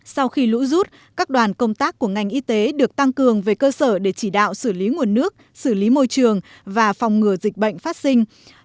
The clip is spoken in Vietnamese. sau khi lũ rút các đoàn công tác của ngành y tế được tăng cường về cơ sở để chỉ đạo xử lý nguồn nước xử lý môi trường và phòng ngừa dịch bệnh phát sinh